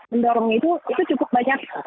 mendorong itu itu cukup banyak